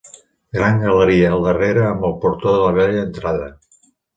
Gran galeria al darrere amb el portó de la vella entrada.